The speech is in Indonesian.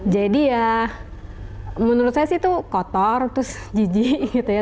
jadi ya menurut saya sih itu kotor terus jijik gitu ya